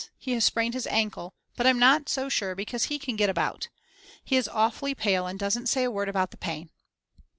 he has sprained his ankle, but I'm not so sure because he can get about. He is awfully pale and doesn't say a word about the pain.